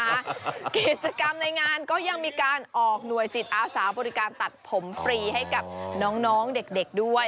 กิจกรรมในงานก็ยังมีการออกหน่วยจิตอาสาบริการตัดผมฟรีให้กับน้องเด็กด้วย